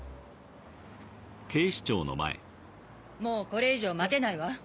もうこれ以上待てないわ。